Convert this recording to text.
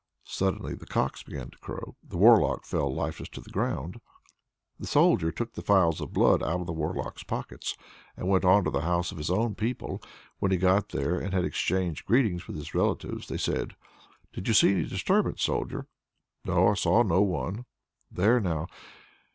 Suddenly the cocks began to crow. The Warlock fell lifeless to the ground. The Soldier took the phials of blood out of the Warlock's pockets, and went on to the house of his own people. When he had got there, and had exchanged greetings with his relatives, they said: "Did you see any disturbance, Soldier?" "No, I saw none." "There now!